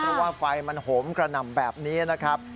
เพราะว่าไฟมันโหมกระหน่ำแบบนี้นะครับ